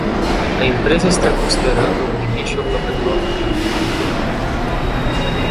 A empresa está considerando um Initial Public Offering (IPO).